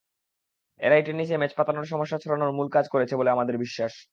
এরাই টেনিসে ম্যাচ পাতানোর সমস্যা ছড়ানোর মূলে কাজ করেছে বলে আমাদের বিশ্বাস।